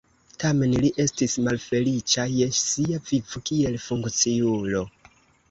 Tamen li estis malfeliĉa je sia vivo kiel funkciulo.